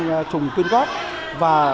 cái thùng quyên góp và